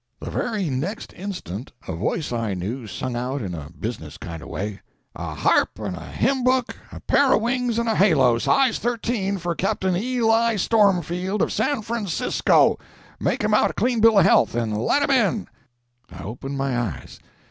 The very next instant a voice I knew sung out in a business kind of a way— "A harp and a hymn book, pair of wings and a halo, size 13, for Cap'n Eli Stormfield, of San Francisco!—make him out a clean bill of health, and let him in." I opened my eyes.